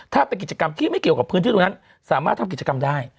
ถ้าเป็นกิจกรรมที่ไม่เกี่ยวกับพื้นที่ตรงนั้นสามารถทำกิจกรรมได้